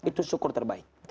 itu syukur terbaik